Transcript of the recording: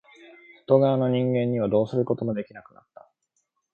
外側の人間にはどうすることもできなくなった。